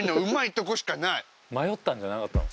迷ったんじゃなかったの？